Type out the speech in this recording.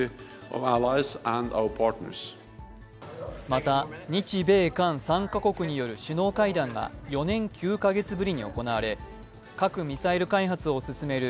また、日米韓３カ国による首脳会談が４年９カ月ぶりに行われ、核・ミサイル開発を進める